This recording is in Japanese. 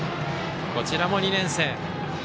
こちらも２年生。